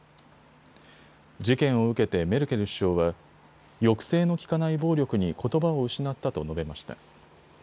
事件を受けてメルケル首相は抑制のきかない暴力にことばを失ったと述べました。